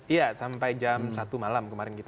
iya sampai jam satu malam kemarin kita